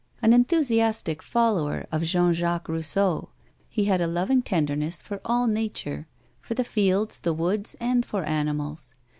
Au enthusiastic follower of Jean Jacques Eousseau, he had a loving tenderness for all nature ; for the fields, the woods, and for animals.